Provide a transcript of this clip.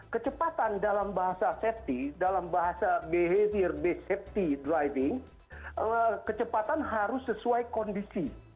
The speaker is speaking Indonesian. kecepatan dalam bahasa safety dalam bahasa behavior base safety driving kecepatan harus sesuai kondisi